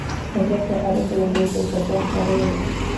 حضرت ادم په لومړي ځل په جغ تړلي وو.